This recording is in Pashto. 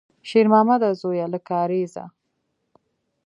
شېرمامده زویه، له کارېزه!